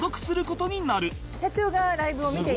社長がライブを見ていて。